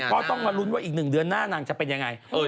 ก็ต้องมาลุ้นว่าอีก๑เดือนหน้านางจะเป็นยังไง